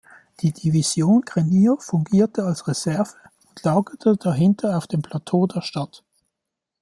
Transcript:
Die Division Grenier fungierte als Reserve und lagerte dahinter auf dem Plateau der Stadt.